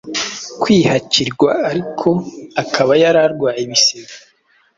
kwihakirwa ariko akaba yari arwaye ibisebe